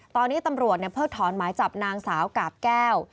ตอนนี้ตำรวจเพิกถอนหมายจับนางสาวกาบแก้ว